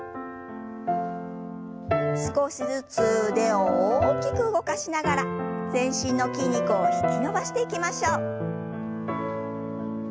少しずつ腕を大きく動かしながら全身の筋肉を引き伸ばしていきましょう。